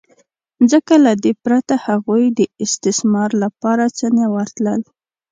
ځکه له دې پرته هغوی ته د استثمار لپاره څه نه ورتلل